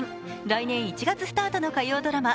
来年１月スタートの火曜ドラマ